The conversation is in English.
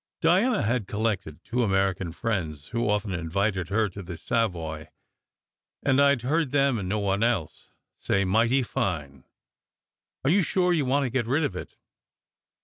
Diana had collected two American friends who often invited her to the Savoy, and I d heard them, and no one else, say "mighty fine." "Are you sure you want to get rid of it?